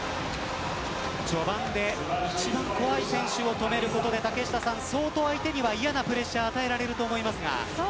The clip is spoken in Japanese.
序盤で一番怖い選手を止めることで相当相手に嫌なプレッシャーを与えられると思います。